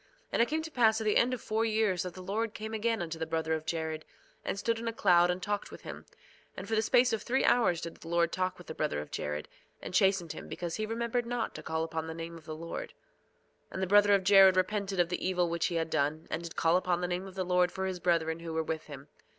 2:14 And it came to pass at the end of four years that the Lord came again unto the brother of Jared, and stood in a cloud and talked with him. And for the space of three hours did the Lord talk with the brother of Jared, and chastened him because he remembered not to call upon the name of the Lord. 2:15 And the brother of Jared repented of the evil which he had done, and did call upon the name of the Lord for his brethren who were with him.